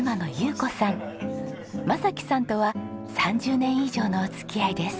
真樹さんとは３０年以上のお付き合いです。